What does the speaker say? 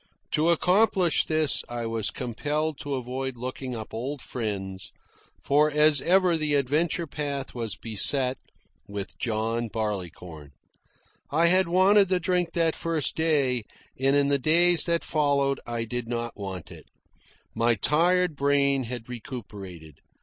To accomplish this I was compelled to avoid looking up old friends, for as ever the adventure path was beset with John Barleycorn. I had wanted the drink that first day, and in the days that followed I did not want it. My tired brain had recuperated.